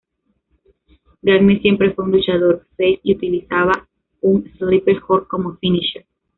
Gagne siempre fue un luchador Face y utilizaba una Sleeper Hold como finisher.